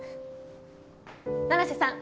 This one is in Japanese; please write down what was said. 七瀬さん